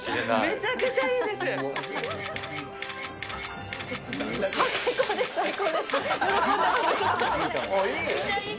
めちゃくちゃいい！